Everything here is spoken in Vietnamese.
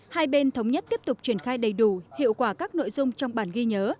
hai bên thống nhất tiếp tục triển khai đầy đủ hiệu quả các nội dung trong bản ghi nhớ